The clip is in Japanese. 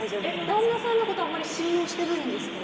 旦那さんのことあまり信用していないんですか？